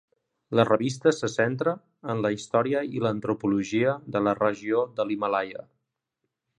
La revista se centra en la història i l'antropologia de la regió de l'Himàlaia.